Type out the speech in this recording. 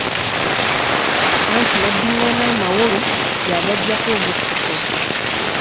Anti n'addingana amawolu yagaggyako omukkuto.